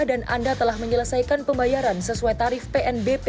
dan anda telah menyelesaikan pembayaran sesuai tarif pnbp